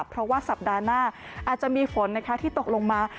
เพราะว่าสัปดาห์หน้าอาจจะมีฝนที่ตกลงมา